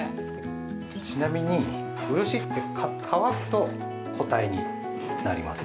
◆ちなみに漆って、乾くと固体になります。